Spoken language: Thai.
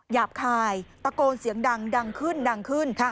หยาบคายตะโกนเสียงดังดังขึ้นค่ะ